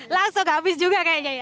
langsung habis juga kayaknya ya